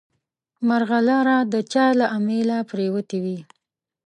مرغلره د چا له امیله پرېوتې وي.